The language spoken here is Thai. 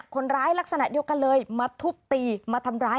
คนร้ายลักษณะเดียวกันเลยมาทุบตีมาทำร้าย